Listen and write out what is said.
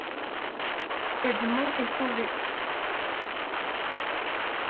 Edmond est sauvé.